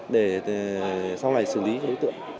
để sau này xử lý đối tượng